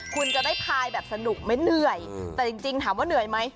คุณจะได้พายแบบสนุกไหมเหนื่อยแต่จริงถามว่าเหนื่อยไหม